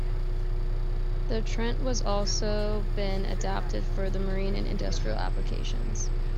The Trent has also been adapted for marine and industrial applications.